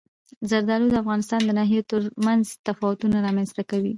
زردالو د افغانستان د ناحیو ترمنځ تفاوتونه رامنځته کوي.